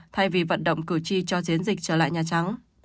thay vì vận động cử tri cho chiến dịch trở lại nhà trắng